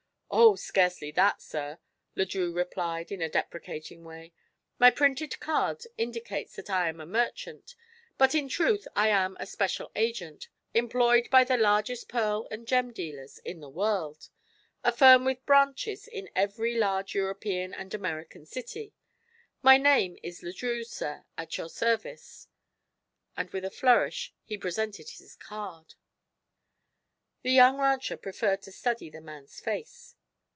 "Oh, scarcely that, sir," Le Drieux replied in a deprecating way. "My printed card indicates that I am a merchant, but in truth I am a special agent, employed by the largest pearl and gem dealers in the world, a firm with branches in every large European and American city. My name is Le Drieux, sir, at your service," and with a flourish he presented his card. The young rancher preferred to study the man's face.